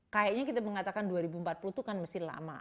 kayaknya kita mengatakan dua ribu empat puluh itu kan mesin lama